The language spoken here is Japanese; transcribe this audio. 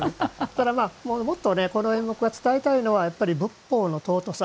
もっとこの演目が伝えたいのは仏法のとうとさ